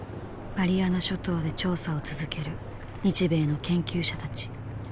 マリアナ諸島で調査を続ける日米の研究者たち。